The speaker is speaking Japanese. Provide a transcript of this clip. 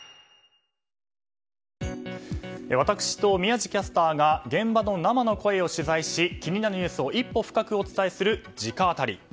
私と宮司キャスターが現場の生の声を取材し気になるニュースを一歩深くお伝えする、直アタリ。